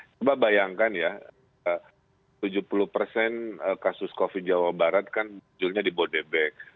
coba bayangkan ya tujuh puluh persen kasus covid jawa barat kan munculnya di bodebek